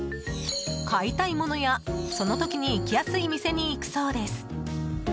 買いたいものや、その時に行きやすい店に行くそうです。